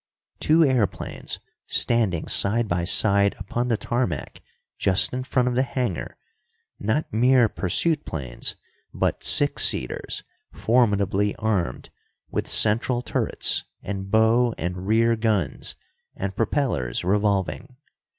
Two airplanes, standing side by side upon the tarmac, just in front of the hangar not mere pursuit planes, but six seaters, formidably armed, with central turrets and bow and rear guns, and propellers revolving.